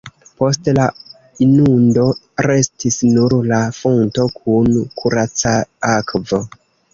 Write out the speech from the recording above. Post la inundo restis nur la fonto kun kuraca akvo.